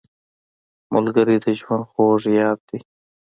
ملګری د ژوند خوږ یاد دی